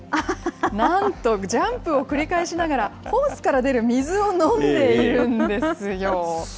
なんとジャンプを繰り返しながら、ホースから出る水を飲んでいるんですよ。